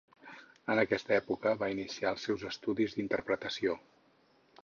En aquesta època va iniciar els seus estudis d'interpretació.